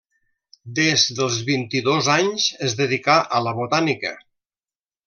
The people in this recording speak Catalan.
Des dels vint-i-dos anys es dedicà a la botànica.